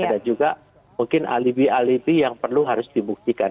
ada juga mungkin alibi alibi yang perlu harus dibuktikan